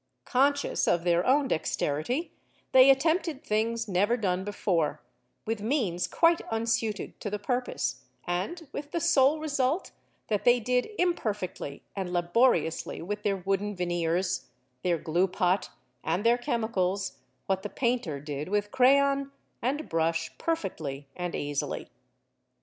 Conscious of their own dexterity, they attempted things never done before, with means quite unsuited to the purpose, and with the sole result that they did imperfectly and laboriously with their wooden veneers, their glue pot, and their chemicals, what the painter did with crayon and brush perfectly and easily.